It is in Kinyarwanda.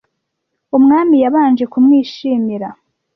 Umwami yabanje kumwishimira.